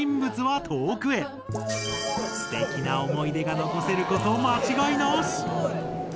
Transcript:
すてきな思い出が残せること間違いなし！